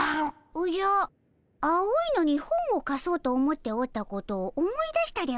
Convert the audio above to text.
おじゃ青いのに本をかそうと思っておったことを思い出したでおじゃる。